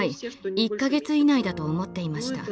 １か月以内だと思っていました。